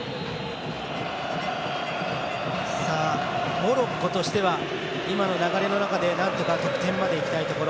モロッコとしては今の流れの中でなんとか得点までいきたいところ。